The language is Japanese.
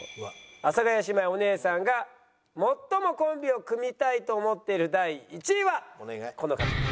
阿佐ヶ谷姉妹お姉さんが最もコンビを組みたいと思ってる第１位はこの方。